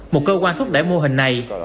một cơ quan thúc đẩy mô hình này